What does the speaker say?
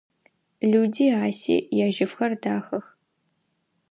Люди Аси яжьыфхэр дахэх.